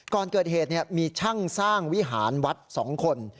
ก่อนเกิดเหตุมีช่างสร้างวิหารวัด๒คน